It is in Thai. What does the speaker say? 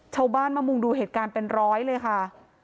ชาวบ้านมามุงดูเหตุการณ์เป็นร้อยเลยค่ะ